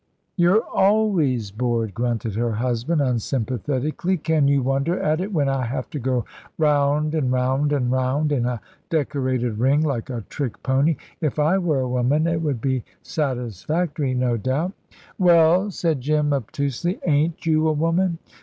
"You're always bored," grunted her husband, unsympathetically. "Can you wonder at it, when I have to go round and round and round in a decorated ring like a trick pony? If I were a woman it would be satisfactory, no doubt." "Well," said Jim, obtusely, "ain't you a woman?"